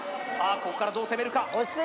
ここからどう攻めるか？